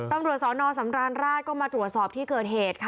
ตำรวจสอนอสำราญราชก็มาตรวจสอบที่เกิดเหตุค่ะ